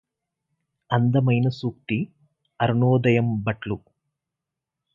అందమైన సూక్తి అరుణోదయంబట్లు